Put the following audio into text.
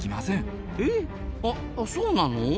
あそうなの？